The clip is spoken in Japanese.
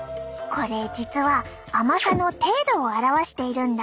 これ実は甘さの程度を表しているんだ。